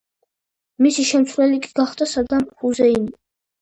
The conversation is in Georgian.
მისი შემცვლელი კი გახდა სადამ ჰუსეინი.